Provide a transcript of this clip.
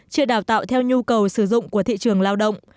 chưa đào tạo theo nhu cầu sử dụng của thị trường lao động